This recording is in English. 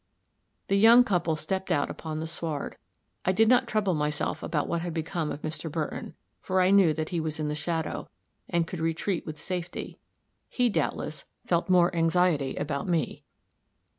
The young couple stepped out upon the sward. I did not trouble myself about what had become of Mr. Burton, for I knew that he was in the shadow, and could retreat with safety; he, doubtless, felt more anxiety about me.